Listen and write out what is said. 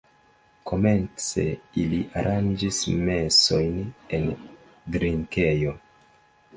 Komence ili aranĝis mesojn en drinkejo.